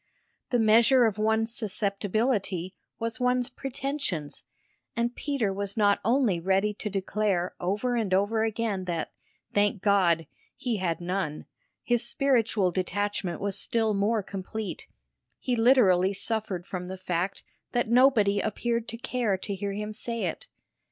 The measure of one's susceptibility was one's pretensions, and Peter was not only ready to declare over and over again that, thank God, he had none: his spiritual detachment was still more complete he literally suffered from the fact that nobody appeared to care to hear him say it.